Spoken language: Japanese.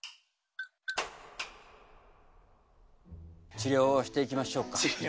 治療をしていきましょうか。